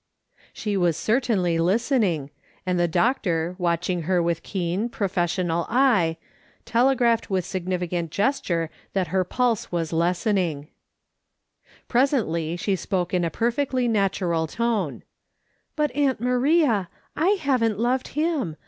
"■ She was certainly listening, and the doctor, watch ing her with keen, professional eye, telegraphed U^E FEARED, WE HOPED, WE TREMBLED, iji with significant gesture that her pulse was lessen ing. Presently she spoke in a perfectly natural tone :" But, aunt Maria, I haven't loved him.